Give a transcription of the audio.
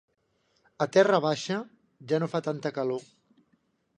A Terra baixa ja no fa tanta calor.